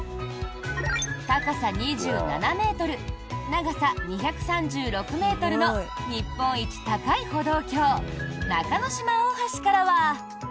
高さ２７ｍ、長さ２３６ｍの日本一高い歩道橋中の島大橋からは。